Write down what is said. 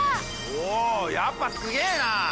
おやっぱすげぇな！